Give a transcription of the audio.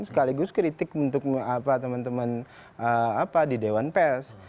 sekaligus kritik untuk teman teman di dewan pers